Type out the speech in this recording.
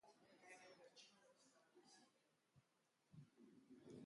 Murtziarrak, laugarrenez irabazi du lasterketa hau.